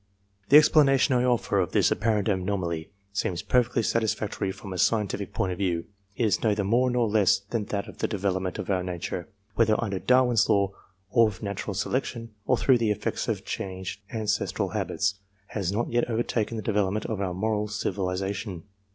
/The explanation I offer of this apparent anomaly, seems perfectly satisfactory from a scientific point of view. It is /neither more nor less than that the development of our \. nature, whether under Darwin's law of natural selection, or [through the effects of changed ancestral habits, has not Ikept pace with the development of our moral civilization.